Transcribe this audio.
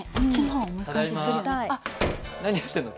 何やってんの？